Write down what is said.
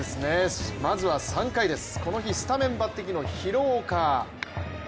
まずは３回です、この日、スタメン抜てきの廣岡。